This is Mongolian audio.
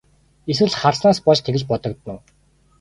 Эсвэл хардсанаас болж тэгж бодогдоно уу?